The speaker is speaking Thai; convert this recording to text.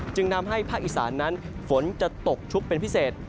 จึงทำให้ภาคอีสานนั้นฝนจะตกชุกเป็นพิเศษ